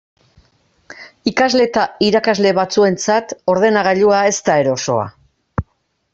Ikasle eta irakasle batzuentzat ordenagailua ez da erosoa.